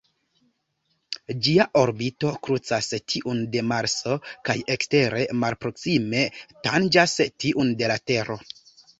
Ĝia orbito krucas tiun de Marso kaj ekstere malproksime tanĝas tiun de la Tero.